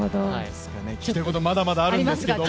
聞きたいことはまだまだあるんですけども。